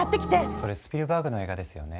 それスピルバーグの映画ですよね。